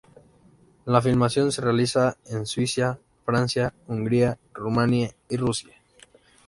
La filmación se realiza en: Suiza, Francia, Hungría, Rumania y Rusia.